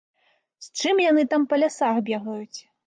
З чым яны там па лясах бегаюць?